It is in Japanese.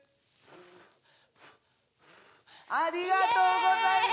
ありがとうございます！